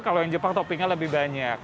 kalau yang jepang toppingnya lebih banyak